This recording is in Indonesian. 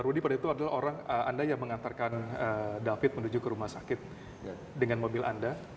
rudy pada itu adalah orang anda yang mengantarkan david menuju ke rumah sakit dengan mobil anda